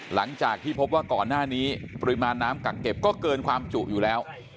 หลังจากที่พบว่าก่อนหน้านี้ปริมาณน้ำกักเก็บก็เกินความจุอยู่แล้ว